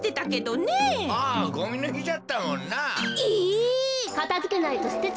かたづけないとすてちゃうわよ。